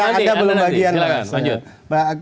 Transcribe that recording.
nanti silahkan lanjut